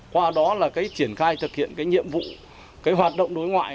qua đó là cái triển khai thực hiện cái nhiệm vụ cái hoạt động đối ngoại